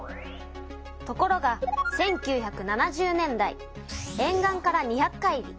ところが１９７０年代えん岸から２００海里